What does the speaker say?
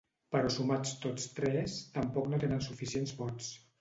Però sumats tots tres, tampoc no tenen suficients vots.